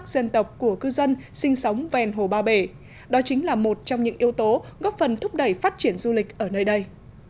dân tộc của cư dân sinh sống ven hồ ba bể đó chính là một trong những yếu tố góp phần thúc đẩy phát triển du lịch ở nơi đây